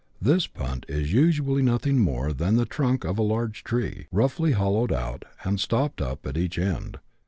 This punt is usually nothing more than the trunk of a large tree, roughly hollowed out, and stopped up at each end.